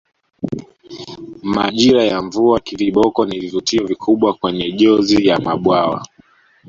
Majira ya mvua viboko ni vivutio vikubwa kwenye jozi ya mabwawa